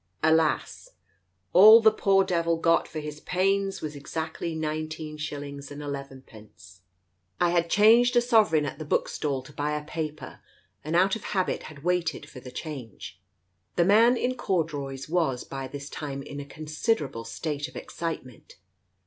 Alas, all the poor devil got for his pains was exactly nineteen shil lings and eleven pence. I had changed a sovereign at the Digitized by Google THE COACH 149 book stall to buy a paper, and out of habit, had waited for the change." The man in corduroys was by this time in a consider able state of excitement.